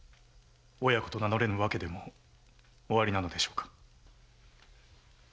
親子と名乗れぬわけでもおありなのでしょうか？